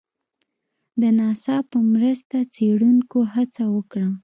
د ناسا په مرسته څېړنکو هڅه وکړه